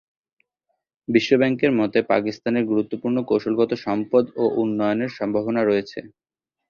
বিশ্বব্যাংকের মতে, পাকিস্তানের গুরুত্বপূর্ণ কৌশলগত সম্পদ ও উন্নয়নের সম্ভাবনা রয়েছে।